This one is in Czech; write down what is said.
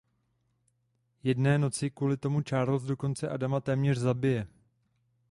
Jedné noci kvůli tomu Charles dokonce Adama téměř zabije.